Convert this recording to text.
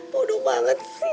bodoh banget sih